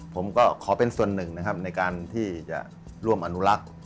ผมก็ขอเป็นส่วนหนึ่งนะครับในการที่จะร่วมอนุรักษ์